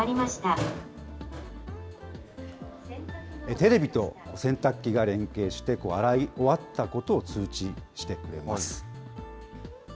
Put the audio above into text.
テレビと洗濯機が連携して、洗い終わったことを通知してくれます。